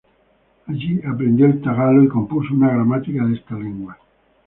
Allí aprendió el tagalo y compuso una gramática de esta lengua.